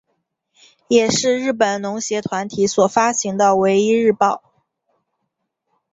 也是日本农协团体所发行的唯一日报。